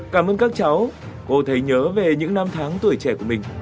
cảm ơn các cháu cô thấy nhớ về những năm tháng tuổi trẻ của mình